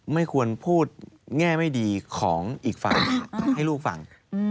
ไม่ควรพูดแง่ไม่ดีของอีกฝ่ายให้ลูกฟัง